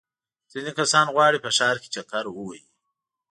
ځینې کسان غواړي په ښار کې چکر ووهي.